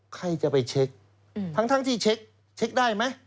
ใครจะไปเช็คทั้งที่เช็คได้ไหม